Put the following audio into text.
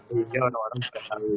sehingga orang orang tidak tahu